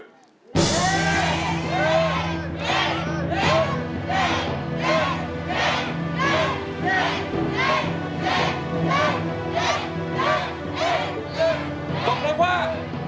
ตรงหลังว่า